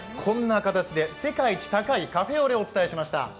世界一高いカフェオレをお伝えしました。